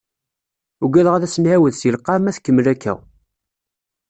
Uggadeɣ ad as-d-nɛiwed seg lqaɛ ma tkemmel akka.